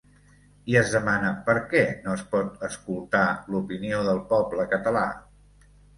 I es demana per què no es pot escoltar l’opinió del poble català?